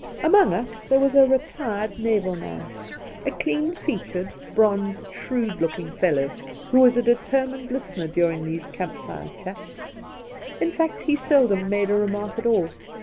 The Outspan Among us there was a retired naval^ man, a clean featured, bronzed, shrewd looking fellow, who was a determined listener during these camp fire chats ; in fact, he seldom made a remark at all.